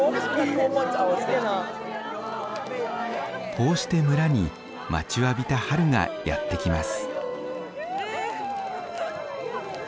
こうして村に待ちわびた春がやって来ます。